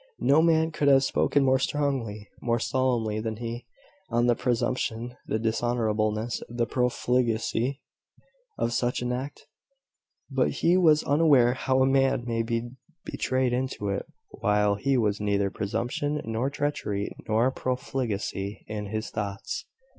No man could have spoken more strongly, more solemnly than he, on the presumption, the dishonourableness, the profligacy, of such an act: but he was unaware how a man may be betrayed into it while he has neither presumption, nor treachery, nor profligacy in his thoughts.